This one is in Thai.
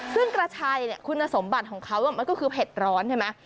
ซึ่งกระชัยคุณสมบัติของเขามันก็คือเผ็ดร้อนใช่ไหม